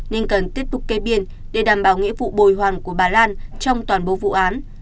nên cần tiếp tục kê biên để đảm bảo nghĩa vụ bồi hoàn của bà lan trong toàn bộ vụ án